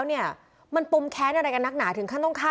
แม่อยากดูว่าไอ้คนเนี้ยมันน่าตายังไง